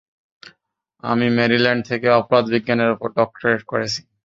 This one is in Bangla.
আমি মেরিল্যান্ড থেকে অপরাধবিজ্ঞানের উপর ডক্টরেট করেছি।